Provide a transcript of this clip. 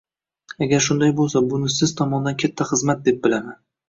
Agar shunday bo`lsa, buni siz tomondan katta xizmat deb bilaman